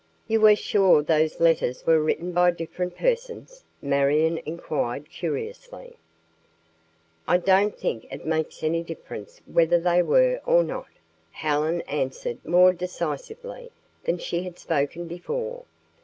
"You are sure those letters were written by different persons?" Marion inquired curiously. "I don't think it makes any difference whether they were or not," Helen answered more decisively than she had spoken before.